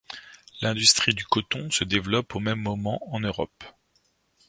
L'industrie du coton se développe au même moment en Europe.